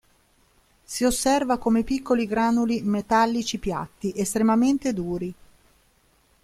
Si osserva come piccoli granuli metallici piatti, estremamente duri.